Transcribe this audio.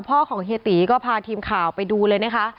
พ่อของเฮียตีก็พาทีมข่าวไปดูเลยนะคะ